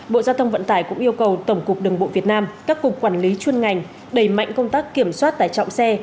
bộ giao thông vận tải cũng yêu cầu tổng cục đường bộ việt nam các cục quản lý chuyên ngành đẩy mạnh công tác kiểm soát tải trọng xe